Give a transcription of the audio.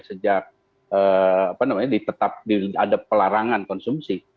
sejak apa namanya di tetap ada pelarangan konsumsi